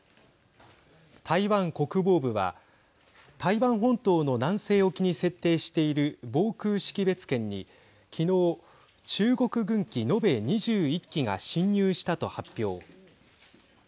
台湾国防部は台湾本島の南西沖に設定している防空識別圏に昨日、中国軍機、延べ２１機が進入したと発表。